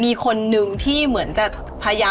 มีคนนึงที่เหมือนจะพยายาม